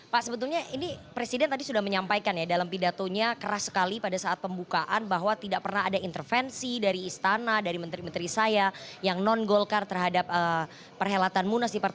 pak sebetulnya ini presiden tadi sudah menyampaikan ya dalam pidatonya keras sekali pada saat pembukaan bahwa tidak pernah ada intervensi dari istana dari menteri menteri saya yang non golkar terhadap perhelatan munas di partai